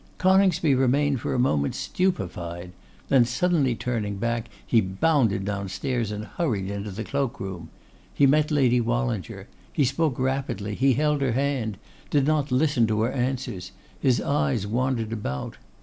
Coningsby remained for a moment stupefied; then suddenly turning back, he bounded downstairs and hurried into the cloak room. He met Lady Wallinger; he spoke rapidly, he held her hand, did not listen to her answers, his eyes wandered about.